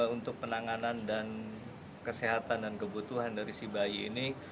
untuk penanganan dan kesehatan dan kebutuhan dari si bayi ini